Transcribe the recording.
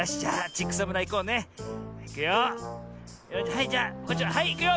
はいじゃあはいいくよ。